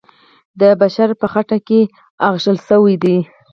د بشر په خټه کې اغږل سوی دی.